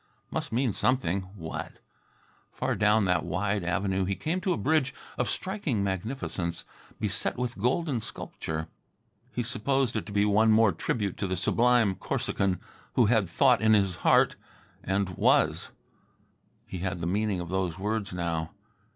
Must mean something. What? Far down that wide avenue he came to a bridge of striking magnificence, beset with golden sculpture. He supposed it to be one more tribute to the sublime Corsican who had thought in his heart, and was. He had the meaning of those words now.